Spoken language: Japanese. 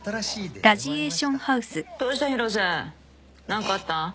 何かあった？